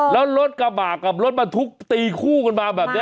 แล้วรถกระบะกับรถบรรทุกตีคู่กันมาแบบนี้